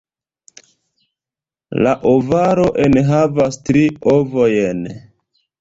La ovaro enhavas tri ovojn.